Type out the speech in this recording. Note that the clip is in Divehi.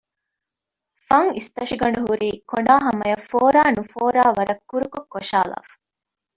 ފަން އިސްތަށިގަނޑު ހުރީ ކޮނޑާ ހަމަޔަށް ފޯރާ ނުފޯރާ ވަރަށް ކުރުކޮށް ކޮށައިލައިފަ